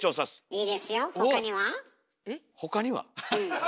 いいですよほかには？え？